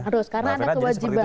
aduh sekarang ada kewajiban